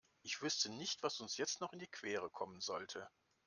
Ich wüsste nicht, was uns jetzt noch in die Quere kommen sollte.